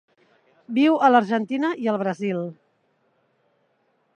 Viu a l'Argentina i el Brasil.